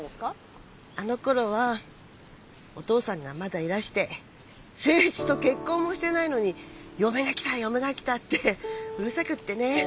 あのころはお義父さんがまだいらして誠一と結婚もしてないのに「嫁が来た嫁が来た」ってうるさくってね。